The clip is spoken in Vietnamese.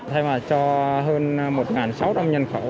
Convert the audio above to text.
thay mặt cho hơn một sáu trăm linh nhân khẩu